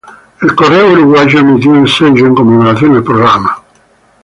El Correo Uruguayo emitió un sello en conmemoración al programa.